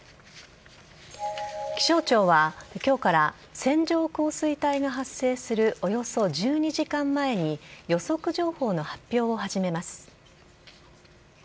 気象庁は今日から線状降水帯が発生するおよそ１２時間前に予測情報の発表を始めます。